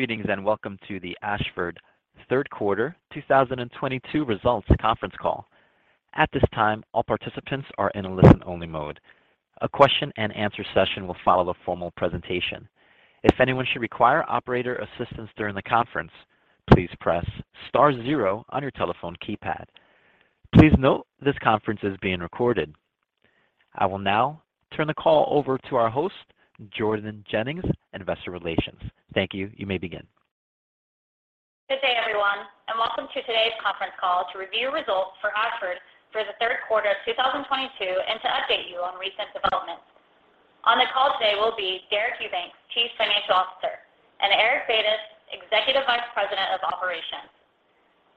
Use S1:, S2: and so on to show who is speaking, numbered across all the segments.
S1: Greetings, and welcome to the Ashford third quarter 2022 results conference call. At this time, all participants are in a listen-only mode. A question-and-answer session will follow the formal presentation. If anyone should require operator assistance during the conference, please press star zero on your telephone keypad. Please note this conference is being recorded. I will now turn the call over to our host, Jordan Jennings, Investor Relations. Thank you. You may begin.
S2: Good day, everyone, and welcome to today's conference call to review results for Ashford for the third quarter of 2022 and to update you on recent developments. On the call today will be Deric Eubanks, Chief Financial Officer, and Eric Batis, Executive Vice President of Operations.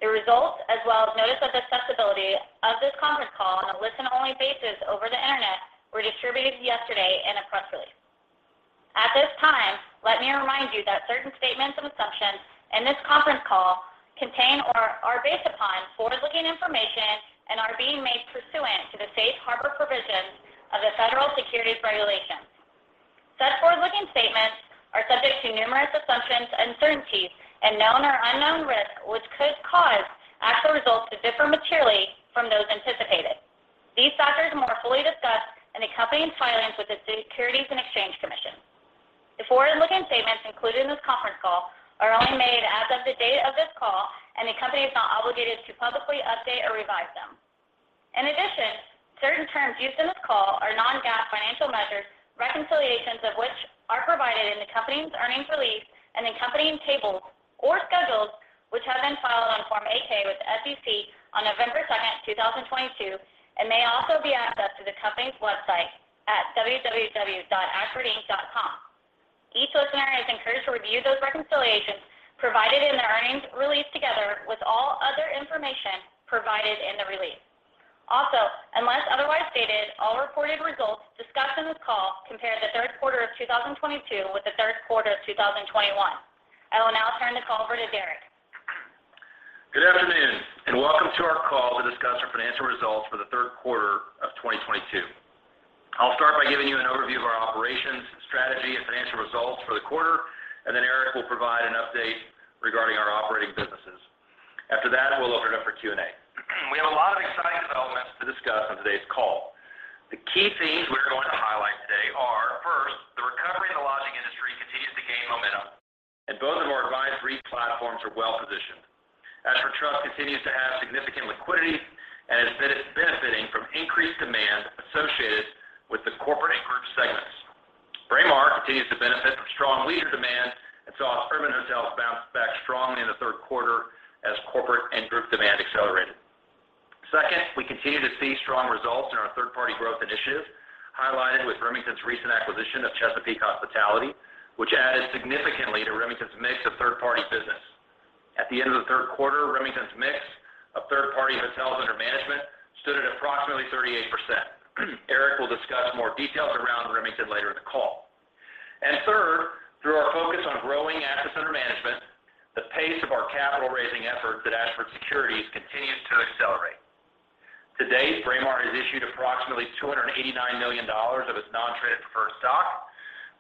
S2: The results, as well as notice of accessibility of this conference call on a listen-only basis over the Internet, were distributed yesterday in a press release. At this time, let me remind you that certain statements and assumptions in this conference call contain or are based upon forward-looking information and are being made pursuant to the safe harbor provisions of the federal securities regulations. Such forward-looking statements are subject to numerous assumptions and uncertainties and known or unknown risks, which could cause actual results to differ materially from those anticipated. These factors are more fully discussed in the company's filings with the Securities and Exchange Commission. The forward-looking statements included in this conference call are only made as of the date of this call, and the company is not obligated to publicly update or revise them. In addition, certain terms used in this call are non-GAAP financial measures, reconciliations of which are provided in the company's earnings release and accompanying tables or schedules, which have been filed on Form 8-K with the SEC on November 2nd, 2022, and may also be accessed through the company's website at www.ashfordinc.com. Each listener is encouraged to review those reconciliations provided in the earnings release, together with all other information provided in the release. Also, unless otherwise stated, all reported results discussed on this call compare the third quarter of 2022 with the third quarter of 2021. I will now turn the call over to Deric.
S3: Good afternoon, and welcome to our call to discuss our financial results for the third quarter of 2022. I'll start by giving you an overview of our operations, strategy, and financial results for the quarter, and then Eric will provide an update regarding our operating businesses. After that, we'll open it up for Q&A. We have a lot of exciting developments to discuss on today's call. The key themes we are going to highlight today are, first, the recovery in the lodging industry continues to gain momentum, and both of our advised REIT platforms are well-positioned. Ashford Trust continues to have significant liquidity and is benefiting from increased demand associated with the corporate and group segments. Braemar continues to benefit from strong leisure demand, and saw its urban hotels bounce back strongly in the third quarter as corporate and group demand accelerated. Second, we continue to see strong results in our third-party growth initiative, highlighted with Remington's recent acquisition of Chesapeake Hospitality, which added significantly to Remington's mix of third-party business. At the end of the third quarter, Remington's mix of third-party hotels under management stood at approximately 38%. Eric will discuss more details around Remington later in the call. Third, through our focus on growing assets under management, the pace of our capital-raising efforts at Ashford Securities continues to accelerate. To date, Braemar has issued approximately $289 million of its non-traded preferred stock,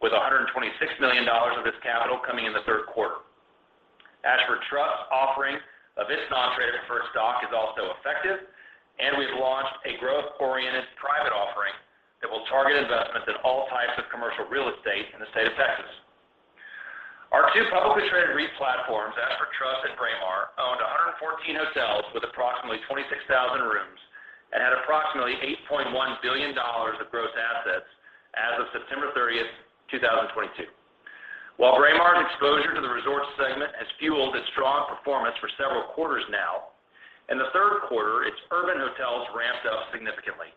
S3: with $126 million of its capital coming in the third quarter. Ashford Trust's offering of its non-traded preferred stock is also effective, and we've launched a growth-oriented private offering that will target investments in all types of commercial real estate in the state of Texas. Our two publicly traded REIT platforms, Ashford Trust and Braemar, owned 114 hotels with approximately 26,000 rooms and had approximately $8.1 billion of gross assets as of September 30th, 2022. While Braemar's exposure to the resort segment has fueled its strong performance for several quarters now, in the third quarter, its urban hotels ramped up significantly.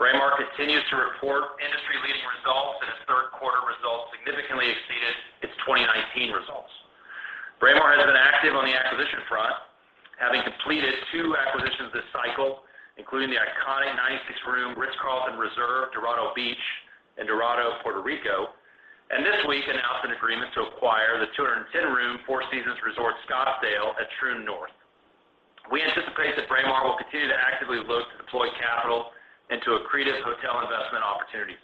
S3: Braemar continues to report industry-leading results, and its third-quarter results significantly exceeded its 2019 results. Braemar has been active on the acquisition front, having completed two acquisitions this cycle, including the iconic 96-room Ritz-Carlton Reserve, Dorado Beach in Dorado, Puerto Rico, and this week announced an agreement to acquire the 210-room Four Seasons Resort Scottsdale at Troon North. We anticipate that Braemar will continue to actively look to deploy capital into accretive hotel investment opportunities.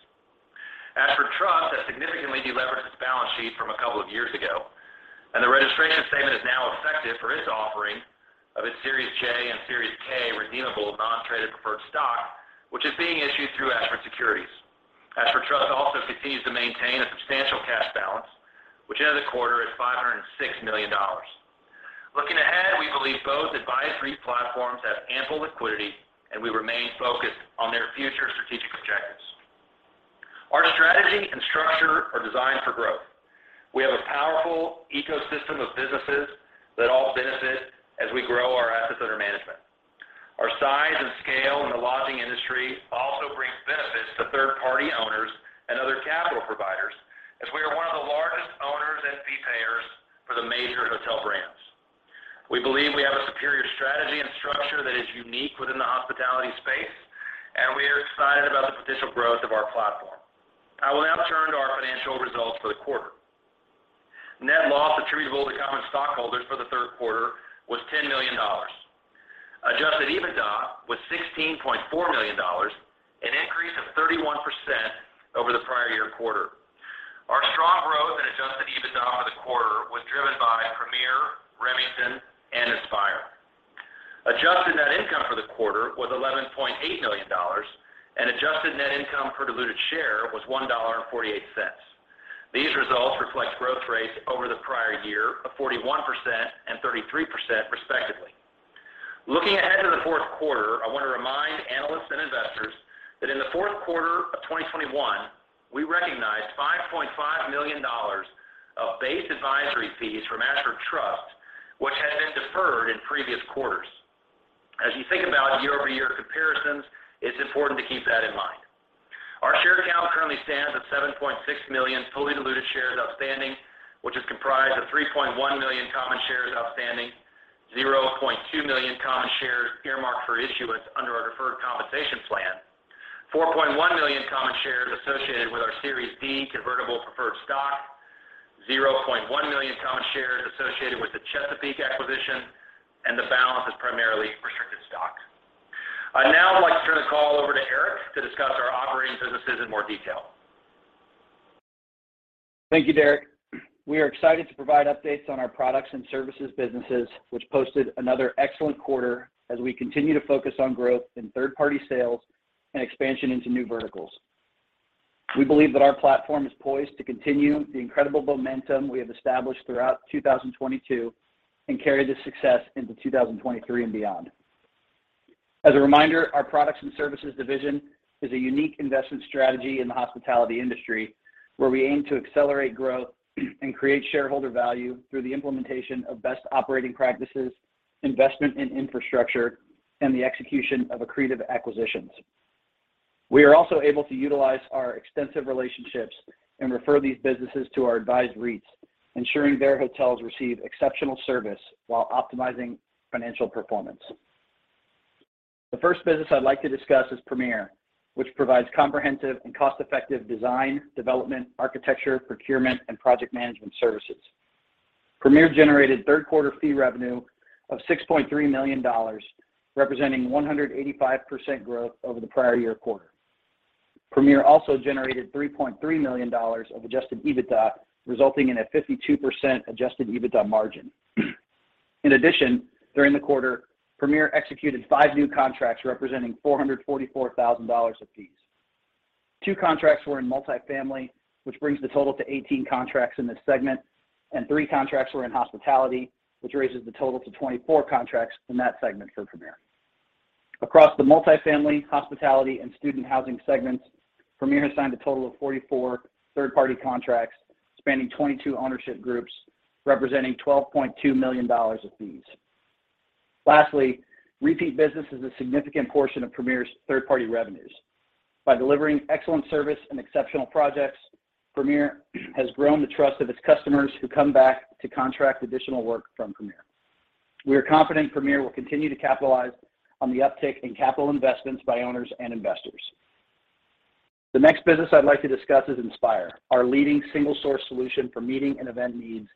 S3: Ashford Trust has significantly deleveraged its balance sheet from a couple of years ago, and the registration statement is now effective for its offering of its Series J and Series K redeemable non-traded preferred stock, which is being issued through Ashford Securities. Ashford Trust also continues to maintain a substantial cash balance, which at the end of the quarter is $506 million. Looking ahead, we believe both advised REIT platforms have ample liquidity, and we remain focused on their future strategic objectives. Our strategy and structure are designed for growth. We have a powerful ecosystem of businesses that all benefit as we grow our assets under management. Our size and scale in the lodging industry also bring benefits to third-party owners and other capital providers, as we are one of the largest owners and fee payers for the major hotel brands. We believe we have a superior strategy and structure that is unique within the hospitality space, and we are excited about the potential growth of our platform. I will now turn to our financial results for the quarter. Net loss attributable to common stockholders for the third quarter was $10 million. Adjusted EBITDA was $16.4 million, 31% over the prior year quarter. Our strong growth in adjusted EBITDA for the quarter was driven by Premier, Remington, and Inspire. Adjusted net income for the quarter was $11.8 million, and adjusted net income per diluted share was $1.48. These results reflect growth rates over the prior year of 41% and 33%, respectively. Looking ahead to the fourth quarter, I want to remind analysts and investors that in the fourth quarter of 2021, we recognized $5.5 million of base advisory fees from Ashford Trust, which had been deferred in previous quarters. As you think about year-over-year comparisons, it's important to keep that in mind. Our share count currently stands at 7.6 million total diluted shares outstanding, which is comprised of 3.1 million common shares outstanding, 0.2 million common shares earmarked for issuance under our deferred compensation plan, 4.1 million common shares associated with our Series D Cumulative Preferred Stock, 0.1 million common shares associated with the Chesapeake acquisition, and the balance is primarily restricted stock. I'd now like to turn the call over to Eric to discuss our operating businesses in more detail.
S4: Thank you, Deric. We are excited to provide updates on our products and services businesses, which posted another excellent quarter as we continue to focus on growth in third-party sales and expansion into new verticals. We believe that our platform is poised to continue the incredible momentum we have established throughout 2022 and carry this success into 2023 and beyond. As a reminder, our products and services division is a unique investment strategy in the hospitality industry, where we aim to accelerate growth and create shareholder value through the implementation of best operating practices, investment in infrastructure, and the execution of accretive acquisitions. We are also able to utilize our extensive relationships and refer these businesses to our advised REITs, ensuring their hotels receive exceptional service while optimizing financial performance. The first business I'd like to discuss is Premier, which provides comprehensive and cost-effective design, development, architecture, procurement, and project management services. Premier generated third-quarter fee revenue of $6.3 million, representing 185% growth over the prior-year quarter. Premier also generated $3.3 million of adjusted EBITDA, resulting in a 52% adjusted EBITDA margin. In addition, during the quarter, Premier executed five new contracts representing $444,000 of fees. Two contracts were in multifamily, which brings the total to 18 contracts in this segment, and three contracts were in hospitality, which raises the total to 24 contracts in that segment for Premier. Across the multifamily, hospitality, and student housing segments, Premier has signed a total of 44 third-party contracts spanning 22 ownership groups, representing $12.2 million of fees. Lastly, repeat business is a significant portion of Premier's third-party revenues. By delivering excellent service and exceptional projects, Premier has grown the trust of its customers, who come back to contract additional work from Premier. We are confident Premier will continue to capitalize on the uptick in capital investments by owners and investors. The next business I'd like to discuss is Inspire, our leading single-source solution for meeting and event needs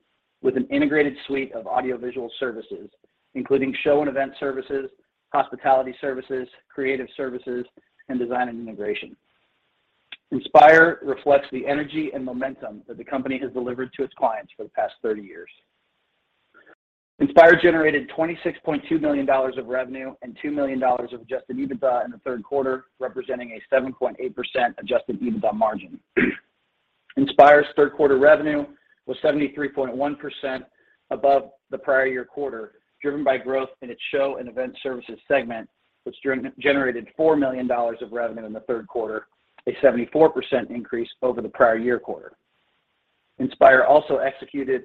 S4: with an integrated suite of audiovisual services, including show and event services, hospitality services, creative services, and design and integration. Inspire reflects the energy and momentum that the company has delivered to its clients for the past 30 years. Inspire generated $26.2 million of revenue and $2 million of adjusted EBITDA in the third quarter, representing a 7.8% adjusted EBITDA margin. Inspire's third-quarter revenue was 73.1% above the prior year quarter, driven by growth in its show and event services segment, which generated $4 million of revenue in the third quarter, a 74% increase over the prior year quarter. Inspire also executed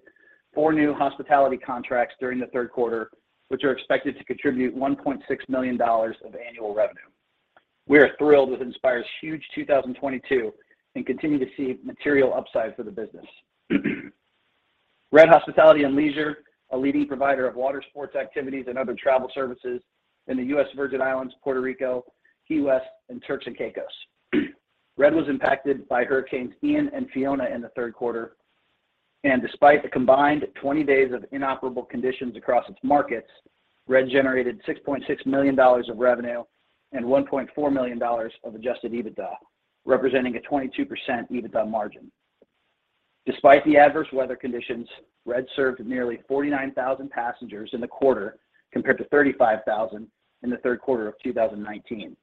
S4: four new hospitality contracts during the third quarter, which are expected to contribute $1.6 million of annual revenue. We are thrilled with Inspire's huge 2022 and continue to see material upside for the business. RED Hospitality & Leisure, a leading provider of water sports activities and other travel services in the U.S. Virgin Islands, Puerto Rico, Key West, and Turks and Caicos. RED was impacted by Hurricane Ian and Hurricane Fiona in the third quarter. Despite the combined 20 days of inoperable conditions across its markets, RED generated $6.6 million of revenue and $1.4 million of adjusted EBITDA, representing a 22% EBITDA margin. Despite the adverse weather conditions, RED served nearly 49,000 passengers in the quarter, compared to 35,000 in the third quarter of 2019.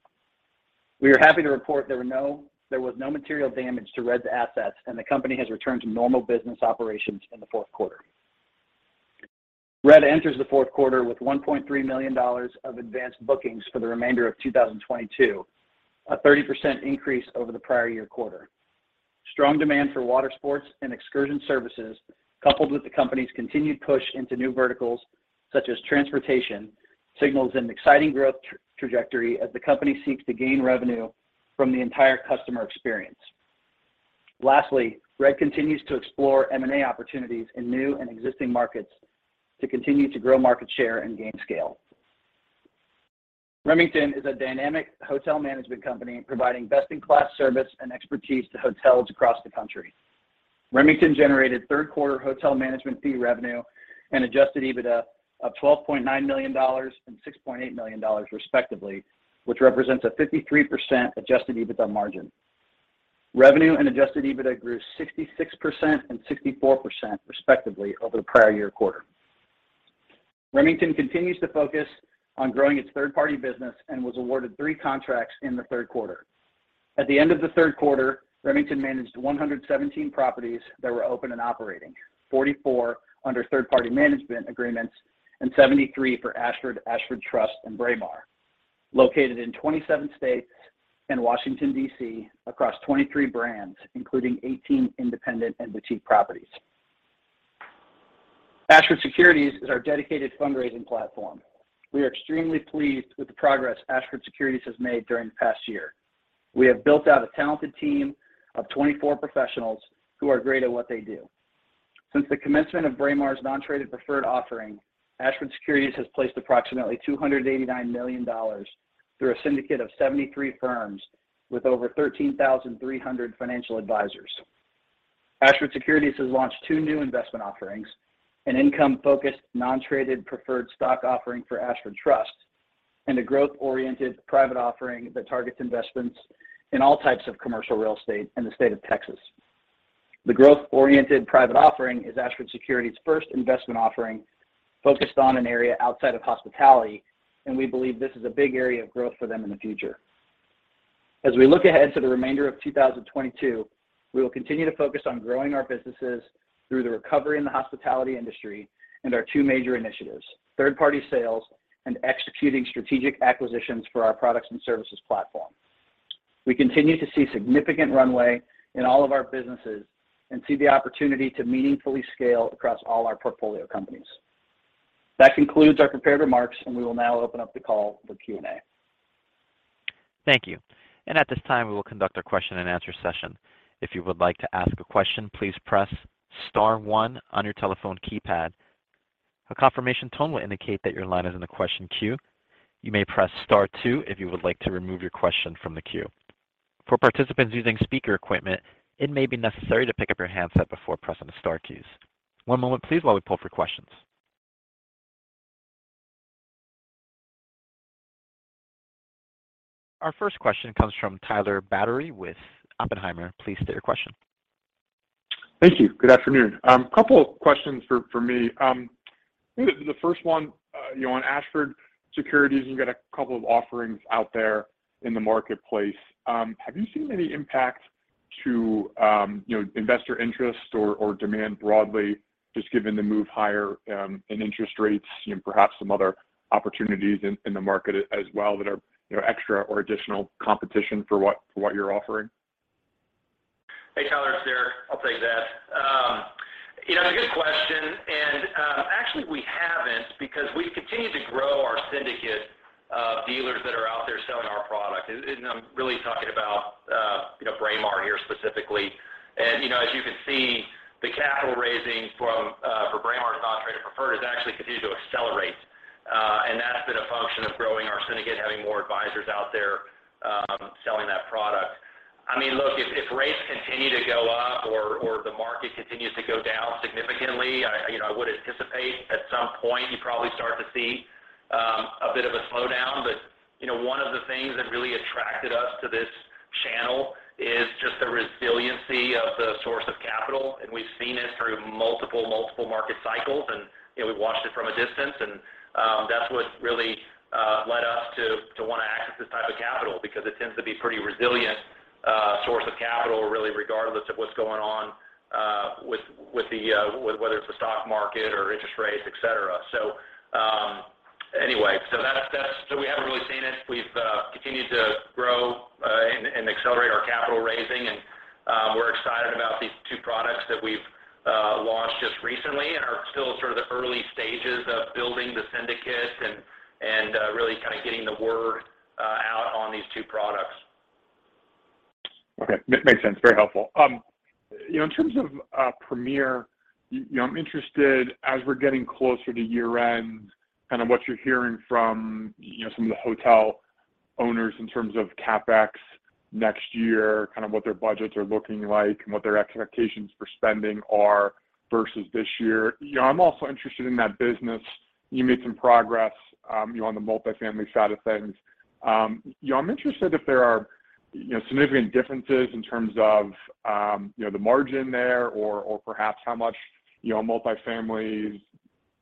S4: We are happy to report that there was no material damage to RED's assets, and the company has returned to normal business operations in the fourth quarter. RED enters the fourth quarter with $1.3 million of advanced bookings for the remainder of 2022, a 30% increase over the prior year quarter. Strong demand for water sports and excursion services, coupled with the company's continued push into new verticals, such as transportation, signals an exciting growth trajectory as the company seeks to gain revenue from the entire customer experience. Lastly, Red continues to explore M&A opportunities in new and existing markets to continue to grow market share and gain scale. Remington is a dynamic hotel management company providing best-in-class service and expertise to hotels across the country. Remington generated third-quarter hotel management fee revenue and adjusted EBITDA of $12.9 million and $6.8 million, respectively, which represents a 53% adjusted EBITDA margin. Revenue and adjusted EBITDA grew 66% and 64%, respectively over the prior year quarter. Remington continues to focus on growing its third-party business and was awarded three contracts in the third quarter. At the end of the third quarter, Remington managed 117 properties that were open and operating, 44 under third-party management agreements and 73 for Ashford Trust and Braemar, located in 27 states and Washington, D.C. across 23 brands, including 18 independent and boutique properties. Ashford Securities is our dedicated fundraising platform. We are extremely pleased with the progress Ashford Securities has made during the past year. We have built out a talented team of 24 professionals who are great at what they do. Since the commencement of Braemar's non-traded preferred offering, Ashford Securities has placed approximately $289 million through a syndicate of 73 firms with over 13,300 financial advisors. Ashford Securities has launched two new investment offerings, an income-focused non-traded preferred stock offering for Ashford Trust and a growth-oriented private offering that targets investments in all types of commercial real estate in the state of Texas. The growth-oriented private offering is Ashford Securities' first investment offering focused on an area outside of hospitality, and we believe this is a big area of growth for them in the future. As we look ahead to the remainder of 2022, we will continue to focus on growing our businesses through the recovery in the hospitality industry and our two major initiatives, third-party sales and executing strategic acquisitions for our products and services platform. We continue to see significant runway in all of our businesses and see the opportunity to meaningfully scale across all our portfolio companies. That concludes our prepared remarks, and we will now open up the call for Q&A.
S1: Thank you. At this time, we will conduct a question-and-answer session. If you would like to ask a question, please press star one on your telephone keypad. A confirmation tone will indicate that your line is in the question queue. You may press star two if you would like to remove your question from the queue. For participants using speaker equipment, it may be necessary to pick up your handset before pressing the star keys. One moment, please while we pull for questions. Our first question comes from Tyler Batory with Oppenheimer. Please state your question.
S5: Thank you. Good afternoon. A couple of questions for me. The first one, you know, on Ashford Securities, you've got a couple of offerings out there in the marketplace. Have you seen any impact to, you know, investor interest or demand broadly, just given the move higher in interest rates and perhaps some other opportunities in the market as well that are, you know, extra or additional competition for what you're offering?
S3: Hey, Tyler, it's Deric. I'll take that. You know, a good question. Actually, we haven't because we've continued to grow our syndicate of dealers that are out there selling our product. I'm really talking about, you know, Braemar here specifically. You know, as you can see, the capital raising for Braemar's non-traded preferred has actually continued to accelerate. That's been a function of growing our syndicate, having more advisors out there selling that product. I mean, look, if rates continue to go up or the market continues to go down significantly, you know, I would anticipate at some point you probably start to see a bit of a slowdown. You know, one of the things that really attracted us to this channel is just the resiliency of the source of capital. We've seen it through multiple market cycles, and, you know, we've watched it from a distance. That's what really led us to want to access this type of capital because it tends to be pretty resilient source of capital, really, regardless of what's going on with whether it's the stock market or interest rates, et cetera. That's. We haven't really seen it. We've continued to grow and accelerate our capital raising, and we're excited about these two products that we've launched just recently and are still sort of in the early stages of building the syndicate and really kind of getting the word out on these two products.
S5: Okay. Makes sense. Very helpful. You know, in terms of Premier, you know, I'm interested as we're getting closer to year-end, kind of what you're hearing from, you know, some of the hotel owners in terms of CapEx next year, kind of what their budgets are looking like and what their expectations for spending are versus this year. You know, I'm also interested in that business. You made some progress, you know, on the multifamily side of things. You know, I'm interested if there are, you know, significant differences in terms of, you know, the margin there or perhaps how much, you know, a multifamily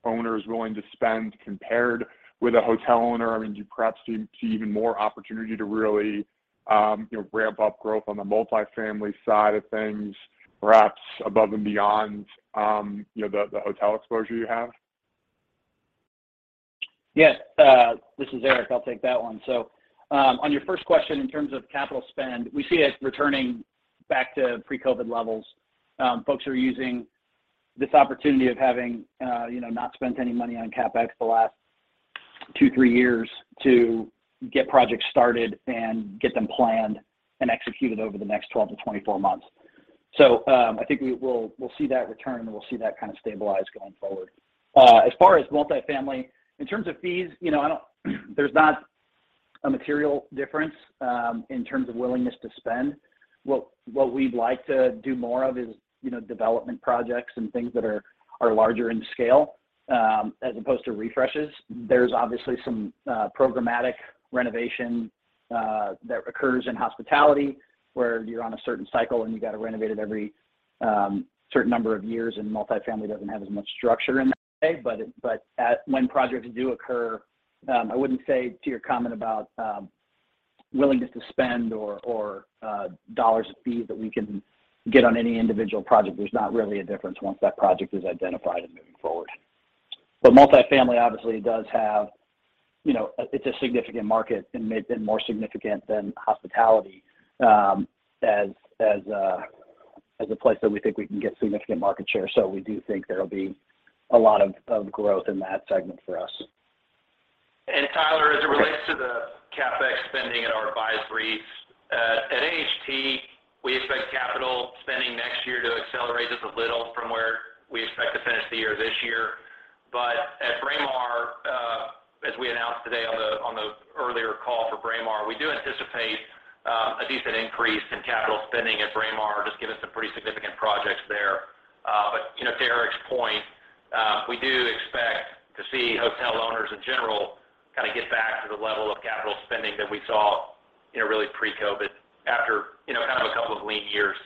S5: owner is willing to spend compared with a hotel owner. I mean, do you perhaps see even more opportunity to really, you know, ramp up growth on the multifamily side of things, perhaps above and beyond, you know, the hotel exposure you have?
S4: Yes. This is Eric. I'll take that one. On your first question, in terms of capital spend, we see it returning back to pre-COVID levels. Folks are using this opportunity of having, you know, not spent any money on CapEx the last two, three years to get projects started and get them planned and executed over the next 12-24 months. I think we'll see that return, and we'll see that kind of stabilize going forward. As far as multifamily, in terms of fees, you know, there's not a material difference in terms of willingness to spend. What we'd like to do more of is, you know, development projects and things that are larger in scale, as opposed to refreshes. There's obviously some programmatic renovation that occurs in hospitality, where you're on a certain cycle, and you gotta renovate it every certain number of years, and multifamily doesn't have as much structure in that way. When projects do occur, I wouldn't say to your comment about willingness to spend or dollar fee that we can get on any individual project. There's not really a difference once that project is identified and moving forward. Multifamily obviously does have, you know, it's a significant market and may have been more significant than hospitality, as a place that we think we can get significant market share. We do think there'll be a lot of growth in that segment for us.
S3: Tyler, as it relates to the CapEx spending and our advisories, at AHT, we expect capital spending next year to accelerate just a little from where we expect to finish the year this year. At Braemar, as we announced today on the earlier call for Braemar, we do anticipate a decent increase in capital spending at Braemar, just given some pretty significant projects there. You know, to Eric's point, we do expect to see hotel owners in general kinda get back to the level of capital spending that we saw, you know, really pre-COVID after, you know, kind of a couple of lean years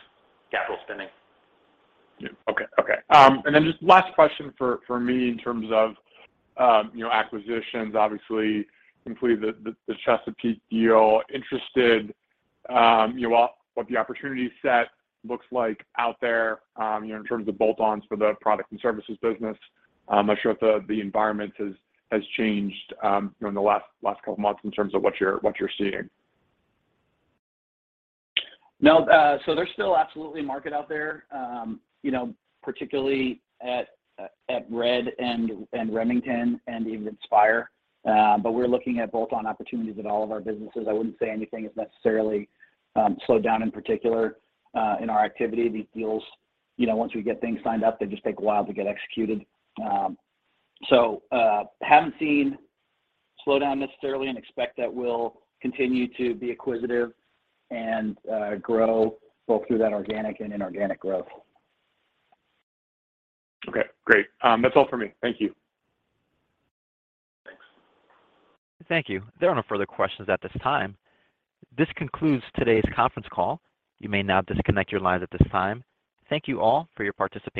S3: capital spending.
S5: Yeah. Okay. Then just last question for me in terms of, you know, acquisitions obviously including the Chesapeake deal. Interested, you know, what the opportunity set looks like out there, you know, in terms of bolt-ons for the product and services business. I'm not sure if the environment has changed, you know, in the last couple of months in terms of what you're seeing.
S4: No, there's still absolutely market out there, you know, particularly at RED and Remington and even Inspire. We're looking at bolt-on opportunities at all of our businesses. I wouldn't say anything is necessarily slowed down in particular in our activity. These deals, you know, once we get things signed up, they just take a while to get executed. Haven't seen slowdown necessarily and expect that we'll continue to be acquisitive and grow both through that organic and inorganic growth.
S5: Okay, great. That's all for me. Thank you.
S3: Thanks.
S1: Thank you. There are no further questions at this time. This concludes today's conference call. You may now disconnect your lines at this time. Thank you all for your participation.